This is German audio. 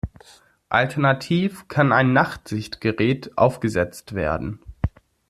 Alternativ kann ein Nachtsichtgerät aufgesetzt werden.